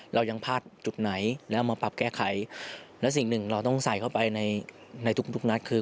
เรายังพลาดจุดไหนแล้วมาปรับแก้ไขและสิ่งหนึ่งเราต้องใส่เข้าไปในในทุกทุกนัดคือ